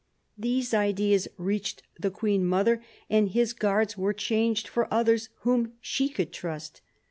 These ideas reached the Queen mother, and his guards were changed for others whom she could trust.